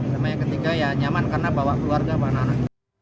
sama yang ketiga ya nyaman karena bawa keluarga bawa anak anak